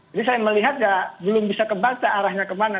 jadi saya melihat belum bisa kebaca arahnya kemana